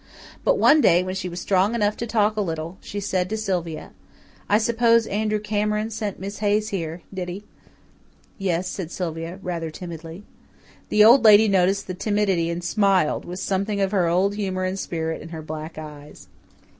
But one day, when she was strong enough to talk a little, she said to Sylvia, "I suppose Andrew Cameron sent Miss Hayes here, did he?" "Yes," said Sylvia, rather timidly. The Old Lady noticed the timidity and smiled, with something of her old humour and spirit in her black eyes.